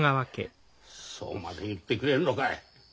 そうまで言ってくれんのかい。